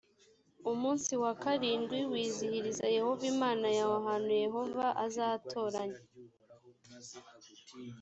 umunsi wa karindwi wizihiriza yehova imana yawe ahantu yehova azatoranya.